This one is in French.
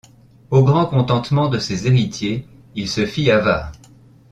Au grand contentement de ses héritiers, il se fit avare.